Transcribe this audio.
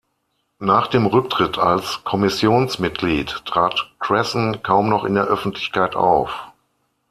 Nach dem Rücktritt als Kommissionsmitglied trat Cresson kaum noch in der Öffentlichkeit auf.